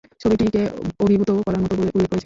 ছবিটিকে অভিভূত করার মত বলে উল্লেখ করেছেন।